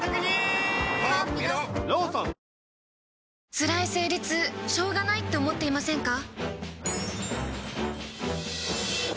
つらい生理痛しょうがないって思っていませんか？